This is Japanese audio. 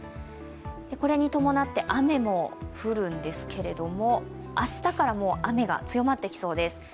これに伴って雨も降るんですけれども明日から雨が強まってきそうです。